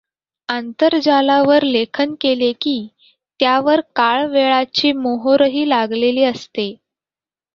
आंतरजालावर लेखन केले की त्यावर काळ वेळाची मोहोरही लागलेली असते.